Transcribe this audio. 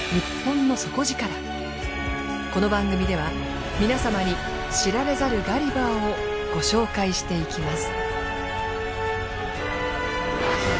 この番組では皆様に知られざるガリバーをご紹介していきます。